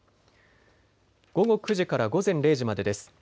午後９時から午前０時までです。